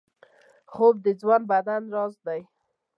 خوب د ځوان بدن راز دی